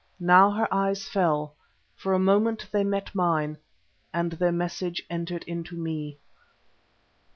Now her eyes fell. For a moment they met mine, and their message entered into me.